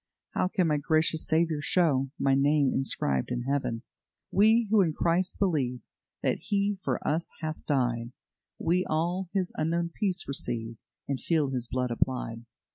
How can my gracious Saviour show My name inscribed in Heaven? "We who in Christ believe That He for us hath died, We all His unknown peace receive, And feel His blood applied.